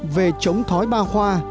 về chống thói ba khoa